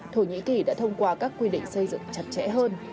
thổ nhĩ kỳ đã thông qua các quy định xây dựng chặt chẽ hơn